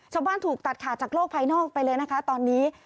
ถูกตัดขาดจากโลกภายนอกไปเลยนะคะตอนนี้